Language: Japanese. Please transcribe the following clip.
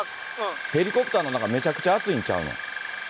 ヘリコプターの中、めちゃくちゃ暑いんちゃうの。